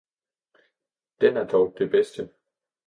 Den er dog det bedste!